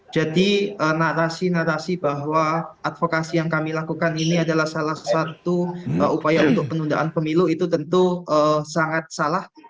narasi narasi bahwa advokasi yang kami lakukan ini adalah salah satu upaya untuk penundaan pemilu itu tentu sangat salah